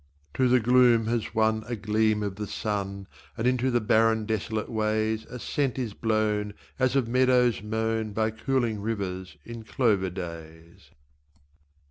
To the gloom has won A gleam of the sun And into the barren desolate ways A scent is blown As of meadows mown By cooling rivers in clover days.